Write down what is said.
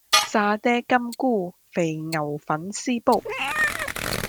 沙嗲金菇肥牛粉絲煲